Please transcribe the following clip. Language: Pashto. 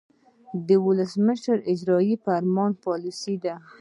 د ولسمشر اجراییوي فرمانونه پالیسي ده.